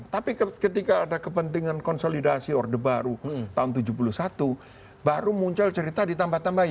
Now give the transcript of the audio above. tapi ketika ada kepentingan konsolidasi orde baru tahun seribu sembilan ratus tujuh puluh satu baru muncul cerita ditambah tambahin